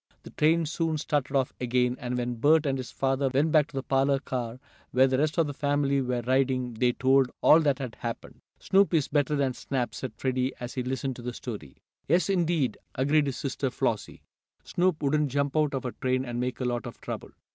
The train soon started off again, and when Bert and his father went back to the parlor car where the rest of the family were riding they told all that had happened. "Snoop is better than Snap," said Freddie as he listened to the story. "Yes, indeed," agreed his sister Flossie. "Snoop wouldn't jump out of a train and make a lot of trouble."